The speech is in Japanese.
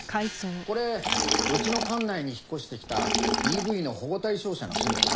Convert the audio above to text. これうちの管内に引っ越してきたＤＶの保護対象者の資料な。